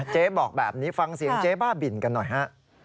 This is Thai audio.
เจ๊บอกแบบนี้ฟังเสียงเจ๊บ้าบินกันหน่อยฮะ